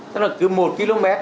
tức là cứ một km